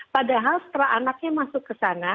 padahal setelah anaknya masuk ke sana